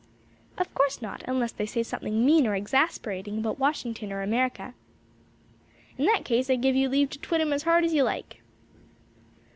"Of course not, unless they say something mean or exasperating about Washington or America." "In that case I give you leave to twit 'em as hard as you like."